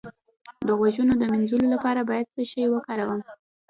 د غوږونو د مینځلو لپاره باید څه شی وکاروم؟